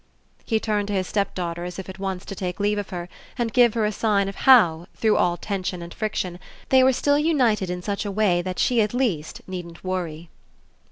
He turned to his stepdaughter as if at once to take leave of her and give her a sign of how, through all tension and friction, they were still united in such a way that she at least needn't worry.